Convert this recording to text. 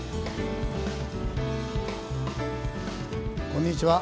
こんにちは。